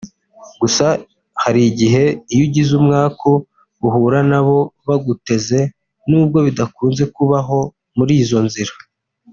Gusa hari igihe iyo ugize umwaku uhura na bo baguteze nubwo bidakunze kubaho muri izo nzira